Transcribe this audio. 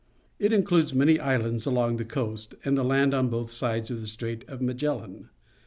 It includes many islands along the coast and the land on both sides of the Strait of Magellan.